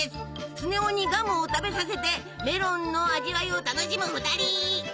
スネ夫にガムを食べさせてメロンの味わいを楽しむ２人。